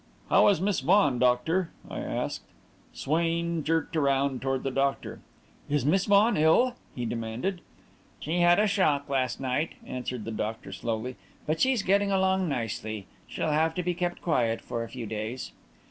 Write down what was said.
"How is Miss Vaughan, doctor?" I asked. Swain jerked round toward the doctor. "Is Miss Vaughan ill?" he demanded. "She had a shock last night," answered the doctor, slowly; "but she's getting along nicely. She'll have to be kept quiet for a few days."